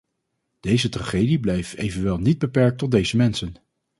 Deze tragedie blijft evenwel niet beperkt tot deze mensen.